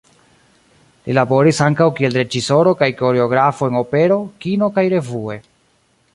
Li laboris ankaŭ kiel reĝisoro kaj koreografo en opero, kino kaj "revue".